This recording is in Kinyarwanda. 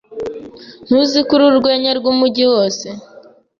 Ntuzi ko uri urwenya rwumujyi wose?